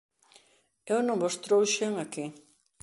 Eu non vos trouxen aquí.